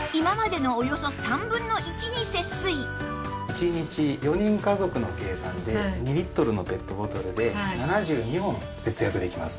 １日４人家族の計算で２リットルのペットボトルで７２本節約できます。